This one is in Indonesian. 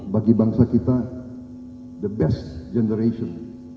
bagi bangsa kita the best generation